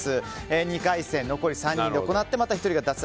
２回戦、残り３人で行ってまた１人が脱落。